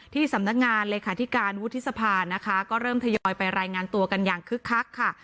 ที่สำนักงานเลขาธิการวุฒิสภานะคะก็เริ่มทยอยไปรายงานตัวกันอย่างคึกคักค่ะ